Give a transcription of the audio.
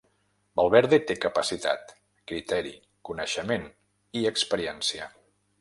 Valverde té capacitat, criteri, coneixement i experiència.